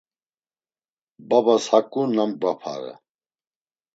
Babas haǩu namgvapare!